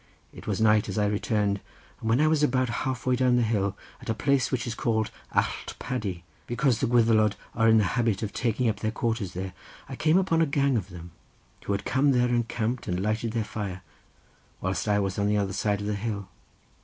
It was night as I returned, and when I was about half way down the hill, at a place which is called Allt Paddy, because the Gwyddelod are in the habit of taking up their quarters there, I came upon a gang of them, who had come there and camped and lighted their fire, whilst I was on the other side of the hill.